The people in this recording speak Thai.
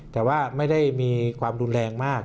แต่ว่าไม่ได้มีความรุนแรงมาก